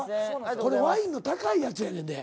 これワインの高いやつやねんで。